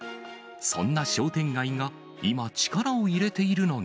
そんな商店街が今、力を入れているのが。